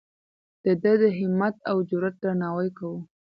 د ده د همت او جرئت درناوی کوو.